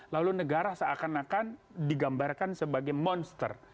lalu negara seakan akan digambarkan sebagai monster